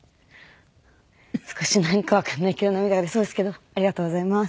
少しなんかわかんないけど涙が出そうですけどありがとうございます。